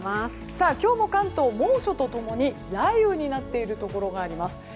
今日も関東猛暑と共に雷雨になっているところがあります。